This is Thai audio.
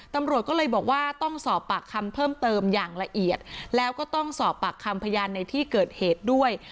ตำรวจก็เลยบอกว่าต้องสอบปากคำเพิ่มเติมอย่างละเอียดแล้วก็ต้องสอบปากคำพยานในที่เกิดเหตุด้วย